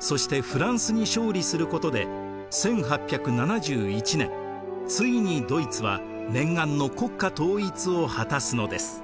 そしてフランスに勝利することで１８７１年遂にドイツは念願の国家統一を果たすのです。